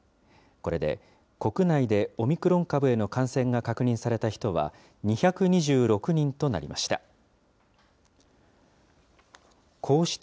これで国内でオミクロン株への感染が確認された人は２２６人となりました。